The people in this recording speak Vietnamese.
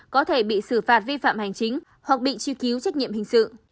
có thể bị xử phạt vi phạm hành chính hoặc bị truy cứu trách nhiệm hình sự